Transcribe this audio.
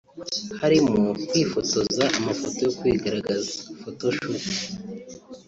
harimo kwifotoza amafoto yo kwigaragaza (photoshoot)